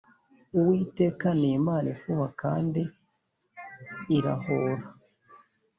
Uwiteka ni Imana ifuha kandi irahōra